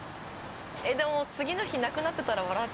でも次の日なくなってたら笑っちゃうな。